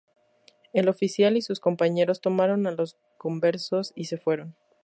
El oficial y sus compañeros tomaron a los conversos y se fueron.